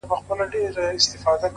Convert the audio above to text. • یو څو نومونه څو جنډۍ د شهیدانو پاته ,